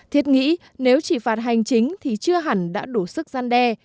thiết nghĩ nếu chỉ phạt hành chính thì chưa hẳn đã đủ sức gian đe